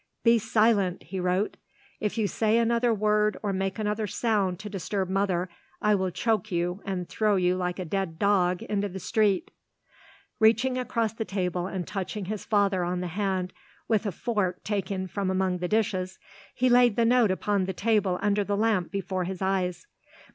"Be silent," he wrote. "If you say another word or make another sound to disturb mother I will choke you and throw you like a dead dog into the street." Reaching across the table and touching his father on the hand with a fork taken from among the dishes, he laid the note upon the table under the lamp before his eyes.